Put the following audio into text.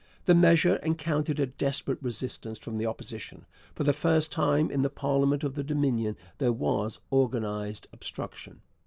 The measure encountered a desperate resistance from the Opposition. For the first time in the parliament of the Dominion there was organized obstruction.